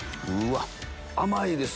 甘いです！